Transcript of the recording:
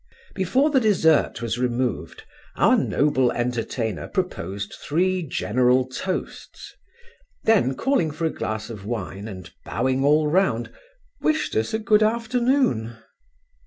Before the desert was removed, our noble entertainer proposed three general toasts; then calling for a glass of wine, and bowing all round, wished us a good afternoon.